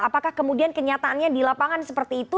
apakah kemudian kenyataannya di lapangan seperti itu